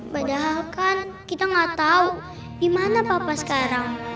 padahal kan kita gak tahu di mana papa sekarang